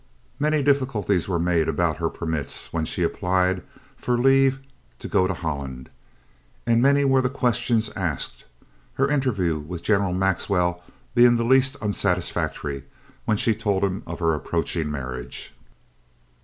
Many difficulties were made about her permits when she applied for leave to go to Holland, and many were the questions asked, her interview with General Maxwell being the least unsatisfactory when she told him of her approaching marriage.